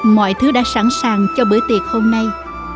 mọi thứ đã sẵn sàng cho bữa tiệc hôm nay